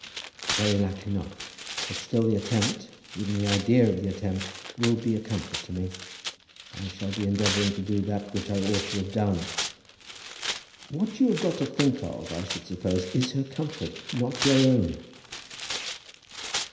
"Very likely not; but still the attempt, even the idea of the attempt, will be a comfort to me. I shall be endeavouring to do that which I ought to have done." "What you have got to think of, I should suppose, is her comfort, not your own."